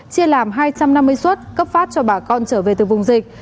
chia làm hai trăm năm mươi xuất cấp phát cho bà con trở về từ vùng dịch